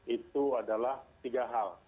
itu adalah tiga hal